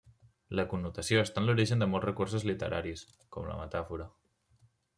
La connotació està en l'origen de molts recursos literaris, com la metàfora.